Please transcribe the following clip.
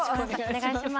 お願いします。